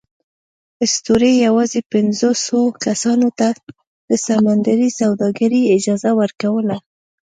اسطورې یواځې پینځوسوو کسانو ته د سمندري سوداګرۍ اجازه ورکوله.